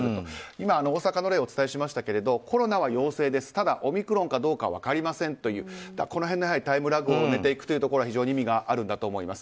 今、大阪の例をお伝えしましたがコロナは陽性ですただオミクロンかどうかは分かりませんというこの辺のタイムラグを埋めていくことが非常に意味があるんだと思います。